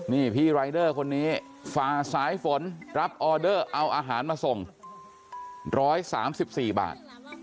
นี่พี่รายเดอร์คนนี้ฝ่าสายฝนรับออเดอร์เอาอาหารมาส่ง๑๓๔บาท